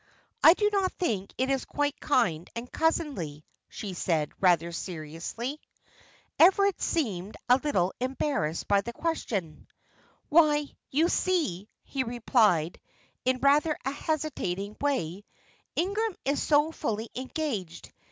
"I do not think it is quite kind and cousinly," she said, rather seriously. Everard seemed a little embarrassed by the question. "Why, you see," he replied, in rather a hesitating way, "Ingram is so fully engaged.